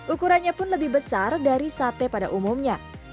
ukurannya pun lebih besar dari sate pada umumnya